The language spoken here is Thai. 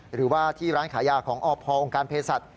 หรือว่าที่ร้านขายยาของอพองค์การเพศสัตว